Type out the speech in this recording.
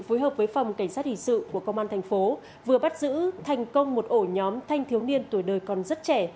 phối hợp với phòng cảnh sát hình sự của công an thành phố vừa bắt giữ thành công một ổ nhóm thanh thiếu niên tuổi đời còn rất trẻ